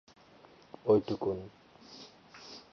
ঐ ঐটুকুন।